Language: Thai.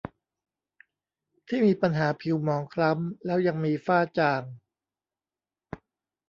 ที่มีปัญหาผิวหมองคล้ำแล้วยังมีฝ้าจาง